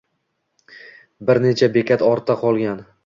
Bir necha bekat ortda qolgan.